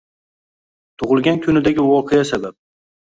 Tug`ilgan kunidagi voqea sabab